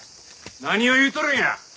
何を言うとるんや！